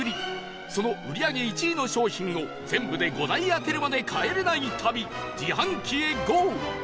その売り上げ１位の商品を全部で５台当てるまで帰れない旅自販機へゴー！